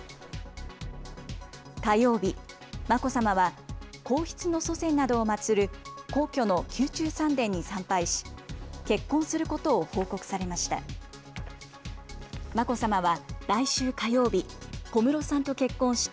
火曜日、眞子さまは、皇室の祖先などを祭る皇居の宮中三殿に参拝し、結婚することを報告されました。